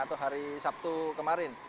atau hari sabtu kemarin